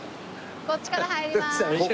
こっちから入ります。